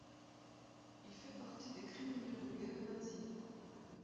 Il fait partie des criminels de guerre nazis.